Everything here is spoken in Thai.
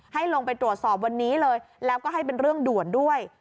ให้ลงไปตรวจสอบวันนี้เลยแล้วก็ให้เป็นเรื่องด่วนด้วย